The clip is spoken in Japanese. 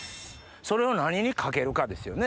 それを何にかけるかですよね？